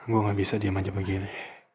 gue gak bisa diam aja begini